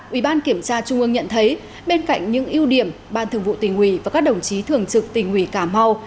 ubnd tp hcm nhận thấy bên cạnh những ưu điểm ban thưởng vụ tình hủy và các đồng chí thường trực tình hủy cà mau